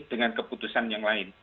dengan keputusan yang lain